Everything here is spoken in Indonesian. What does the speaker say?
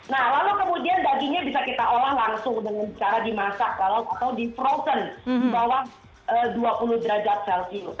nah lalu kemudian dagingnya bisa kita olah langsung dengan cara dimasak atau di frozen di bawah dua puluh derajat celcius